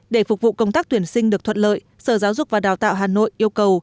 để phục vụ công tác tuyển sinh được thuận lợi sở giáo dục và đào tạo hà nội yêu cầu